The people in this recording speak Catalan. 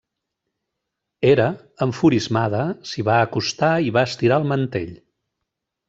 Hera, enfurismada, s'hi va acostar i va estirar el mantell.